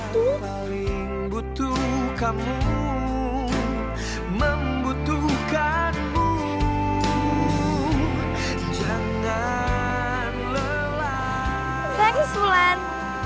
terima kasih mulan